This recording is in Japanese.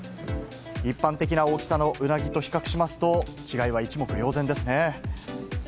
一般的な大きさのウナギと比較しますと、違いは一目瞭然ですね。